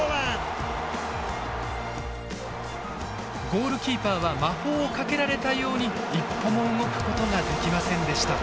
ゴールキーパーは魔法をかけられたように一歩も動くことができませんでした。